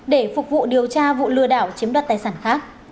để phục vụ điều tra vụ lừa đảo chiếm đoạt tài sản khác